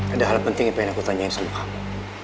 ada hal penting yang pengen aku tanyain sama kamu